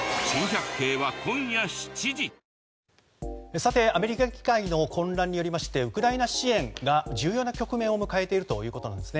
さて、アメリカ議会の混乱によりましてウクライナ支援が重要な局面を迎えているということなんですね。